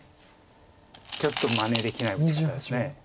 ちょっとまねできない打ち方です。